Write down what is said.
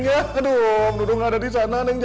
aduh om dudung ada disana jatuh